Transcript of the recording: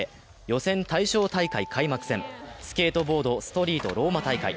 予選対象大会開幕戦、スケートボード・ストリート、ローマ大会。